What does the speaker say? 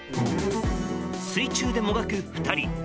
水中でもがく２人。